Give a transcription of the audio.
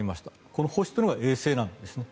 この星というのが衛星なんですね。